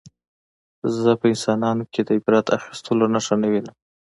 زه په انسانانو کې د عبرت اخیستلو نښه نه وینم